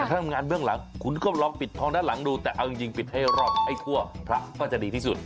ถ้าทำงานเบื้องหลังคุณก็ลองปิดทองด้านหลังดูแต่เอาจริงปิดให้รอบให้ทั่วพระก็จะดีที่สุด